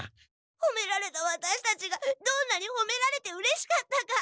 ほめられたワタシたちがどんなにほめられてうれしかったか。